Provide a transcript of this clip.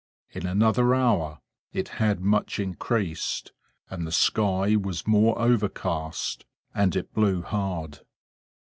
In another hour it had much increased, and the sky was more overcast, and it blew hard.